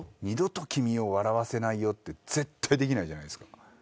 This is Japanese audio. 「二度と君を笑わせないよ」って絶対できないじゃないですか。